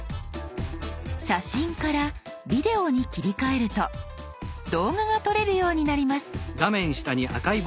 「写真」から「ビデオ」に切り替えると動画が撮れるようになります。